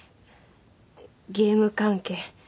ゲーム関係